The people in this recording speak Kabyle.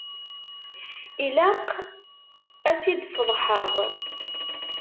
Ilaq ad tt-idfeḍḥeɣ.